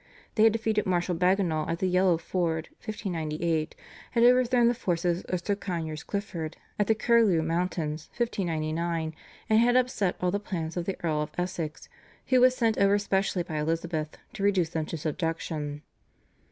They had defeated Marshal Bagenal at the Yellow Ford (1598), had overthrown the forces of Sir Conyers Clifford at the Curlieu Mountains (1599), and had upset all the plans of the Earl of Essex, who was sent over specially by Elizabeth to reduce them to subjection.